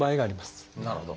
なるほど。